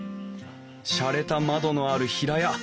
しゃれた窓のある平屋。